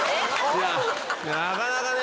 いやなかなかね。